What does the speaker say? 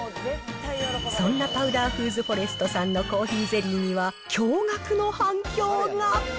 そんなパウダーフーズフォレストさんのコーヒーゼリーには、驚がくの反響が。